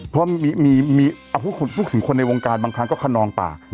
เพราะพูดถึงคนในวงการบางครั้งก็ขนองปาก